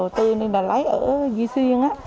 tôi nên là lái ở duy xuyên